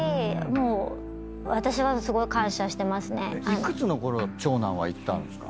幾つのころ長男は行ったんですか？